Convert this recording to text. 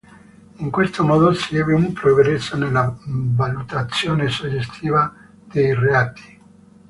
In questo modo si ebbe un progresso nella valutazione soggettiva dei reati.